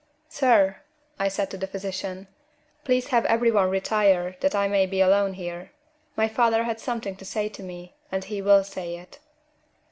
"Sir," I said to the physician, "please have every one retire that I may be alone here; my father had something to say to me, and he will say it."